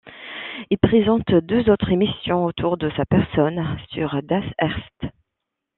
Il présente deux autres émissions autour de sa personne sur Das Erste.